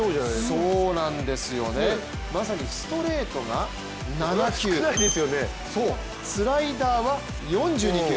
そうなんですよね、まさにストレートが７球、スライダーは、４２球。